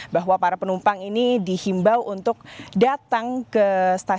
bahwa para penumpang ini dihimbau untuk datang ke stasiun satu jam sebelum waktu keberangkatan